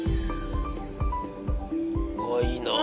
いいなあ！